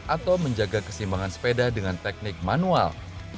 atau menjaga kesimbangan sepeda dengan teknik manual